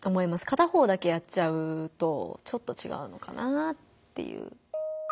片方だけやっちゃうとちょっとちがうのかなぁっていう。